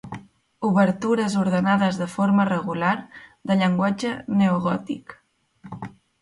Obertures ordenades de forma regular, de llenguatge neogòtic.